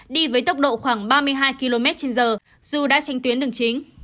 đi với tốc độ khoảng ba mươi hai km trên giờ dù đã trên tuyến đường chính